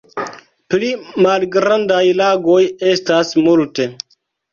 Pli malgrandaj lagoj estas multe.